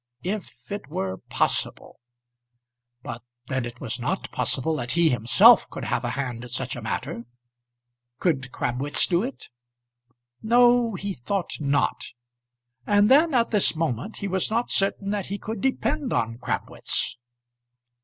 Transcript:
If it were possible! But then it was not possible that he himself could have a hand in such a matter. Could Crabwitz do it? No; he thought not. And then, at this moment, he was not certain that he could depend on Crabwitz.